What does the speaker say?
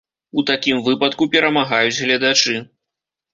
У такім выпадку перамагаюць гледачы.